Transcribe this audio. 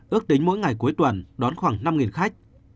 ước tính mỗi ngày cuối tuần đón khoảng năm khách